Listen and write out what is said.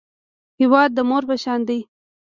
هېواد د مور په شان دی